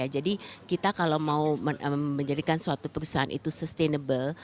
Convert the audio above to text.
jadi kita kalau mau menjadikan suatu perusahaan itu sustainable